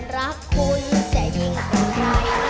รักคุณเสร็จ